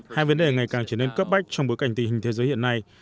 hai vấn đề ngày càng trở nên cấp bách trong bối cảnh tình hình thế giới hiện nay